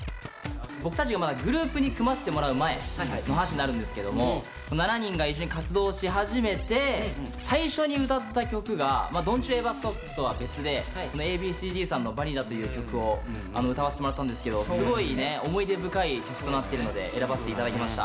僕たちがまだグループに組ませてもらう前の話になるんですけども７人が一緒に活動し始めて最初に歌った曲が「ＤＯＮ’ＴＵＥＶＥＲＳＴＯＰ」とは別でＡ．Ｂ．Ｃ−Ｚさんの「Ｖａｎｉｌｌａ」という曲を歌わせてもらったんですけどすごいね思い出深い曲となってるので選ばせて頂きました。